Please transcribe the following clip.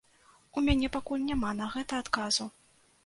У мяне пакуль няма на гэта адказу.